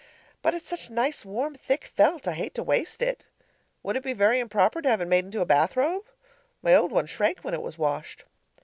But it's such nice, warm, thick felt, I hate to waste it. Would it be very improper to have it made into a bath robe? My old one shrank when it was washed.